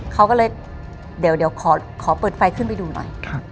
เขาก็เลยเดี๋ยวขอเปิดไฟขึ้นไปดูหน่อย